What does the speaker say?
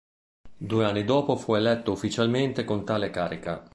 Due anni dopo fu eletto ufficialmente con tale carica.